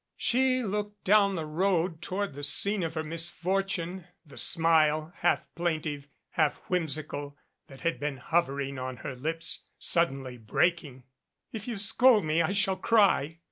She looked down the road toward the scene of her mis fortune, the smile, half plaintive, half whimsical, that had been hovering on her lips suddenly breaking. "If you scold me I shall cry."